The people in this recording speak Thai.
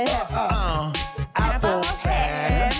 แกนจิตตกแซงนะหนูตกแซง